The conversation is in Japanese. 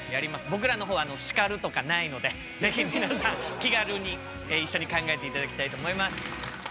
僕らの方は叱るとかないので是非皆さん気軽に一緒に考えて頂きたいと思います。